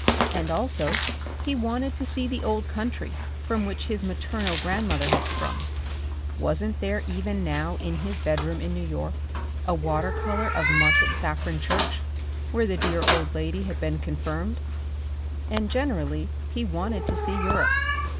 And also, he wanted to see the old country from which his maternal grandmother had sprung. Wasn't there even now in his bedroom in New York a water colour of Market Saffron church, where the dear old lady had been confirmed? And generally he wanted to see Europe.